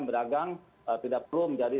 berdagang tidak perlu menjadi